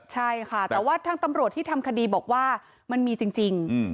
ใช่ค่ะแต่ว่าทางตำรวจที่ทำคดีบอกว่ามันมีจริง